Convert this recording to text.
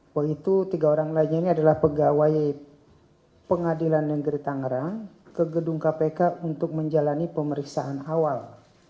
bahwa itu tiga orang lainnya ini adalah pegawai pengadilan negeri tangerang ke gedung kpk untuk menjalani pemeriksaan awal